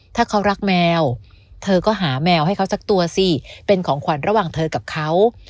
ถ้าเขารักแมวเธอก็หาแมวให้เขาสักตัวสิเป็นของขวัญระหว่างเธอกับเขา